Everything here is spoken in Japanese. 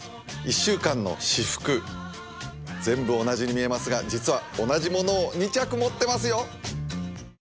１週間の私服、全部同じに見えますが実は、同じものを２着持ってますよ。